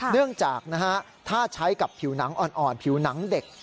เนื่องจากถ้าใช้กับผิวหนังอ่อนผิวหนังเด็ก